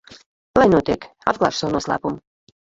Lai notiek, atklāšu savu noslēpumu.